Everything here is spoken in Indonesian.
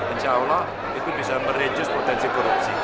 insya allah itu bisa merejus potensi korupsi